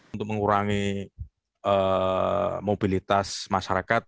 untuk mengurangi mobilitas masyarakat